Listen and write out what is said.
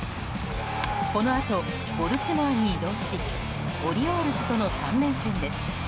このあとボルティモアに移動しオリオールズとの３連戦です。